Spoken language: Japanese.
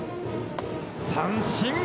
三振！